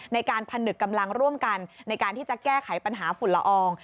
ในการผนึกกำลังร่วมกันในการที่จะแก้ไขปัญหาฝุ่นละออง